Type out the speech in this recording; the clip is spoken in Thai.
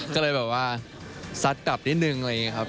ก็เลยแบบว่าซัดกลับนิดนึงอะไรอย่างนี้ครับ